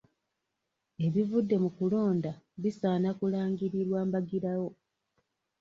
Ebivudde mu kulonda bisaana kulangirirwa mbagirawo.